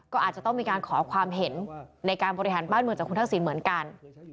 ก็อาจจะต้องมีการขอความเห็นในการบริหารบ้านมือต่างกัน